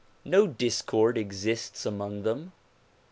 No discord exists among them.